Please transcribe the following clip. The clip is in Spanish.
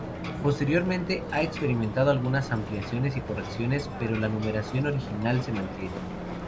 Posteriormente ha experimentado algunas ampliaciones y correcciones, pero la numeración original se mantiene.